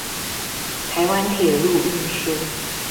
台灣鐵路運輸